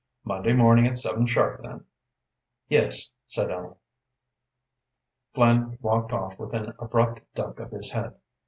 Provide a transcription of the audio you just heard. "Monday morning at seven sharp, then." "Yes," said Ellen. Flynn walked off with an abrupt duck of his head.